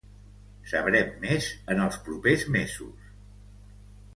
Sabrem més en els propers mesos.